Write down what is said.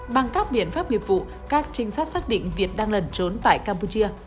bằng các biện pháp huyệp vụ các trinh sát xác định việt đang lần trốn tại campuchia